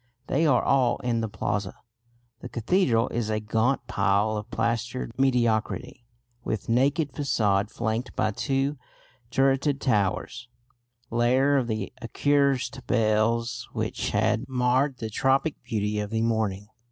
They are all in the Plaza. The cathedral is a gaunt pile of plastered mediocrity, with naked façade flanked by two turreted towers, lair of the accursed bells which had marred the tropic beauty of the morning.